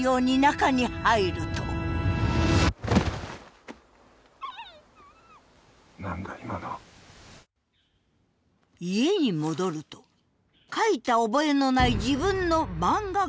家に戻ると描いた覚えのない自分の漫画原稿が。